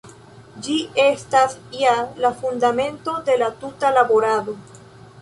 Ĝi estas ja la fundamento de la tuta laborado.